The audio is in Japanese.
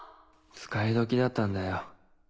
使い時だったんだよ。